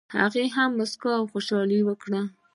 هغه یې هم مسک او خوشال کړ.